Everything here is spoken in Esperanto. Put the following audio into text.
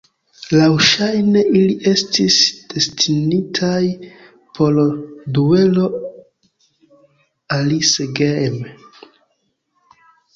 Laŭŝajne ili estis destinitaj por duelo "Alice Game".